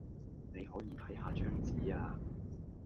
你可以睇吓張紙呀